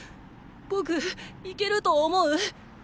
僕行けると思う？